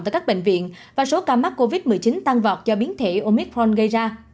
tại các bệnh viện và số ca mắc covid một mươi chín tăng vọt do biến thể omitron gây ra